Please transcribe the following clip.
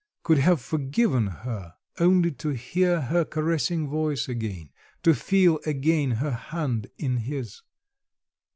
could have forgiven her, only to hear her caressing voice again, to feel again her hand in his.